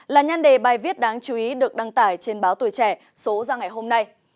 là nhan đề bài viết đáng chú ý được đăng tải trên báo tuổi trẻ số ra ngày hôm nay